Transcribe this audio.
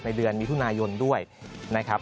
เดือนมิถุนายนด้วยนะครับ